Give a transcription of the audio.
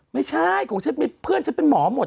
ไม่ใช่เพื่อนฉันเป็นหมอหมด